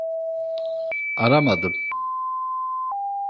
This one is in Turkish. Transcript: Aramadım.